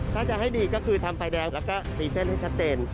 ถ้าจะให้ดีก็คือทำไฟแดงแล้วก็ตีเส้นให้ชัดเจน